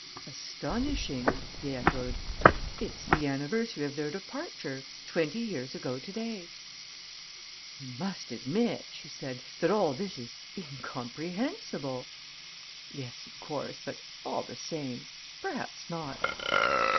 "Astonishing," he echoed. "It's the anniversary of their departure ... twenty years ago to day." "You must admit," she said, "that all this is incomprehensible. "Yes, of course ... but, all the same ... perhaps not."